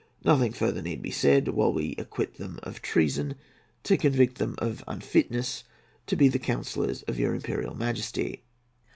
Nothing further need be said, while we acquit them of treason, to convict them of unfitness to be the counsellors of your Imperial Majesty.